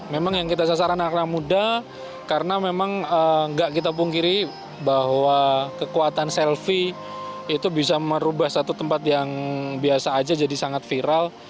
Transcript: memang yang kita sasaran anak anak muda karena memang nggak kita pungkiri bahwa kekuatan selfie itu bisa merubah satu tempat yang biasa aja jadi sangat viral